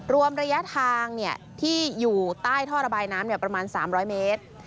รวมระยะทางที่อยู่ใต้ท่อระบายน้ำประมาณ๓๐๐เมตร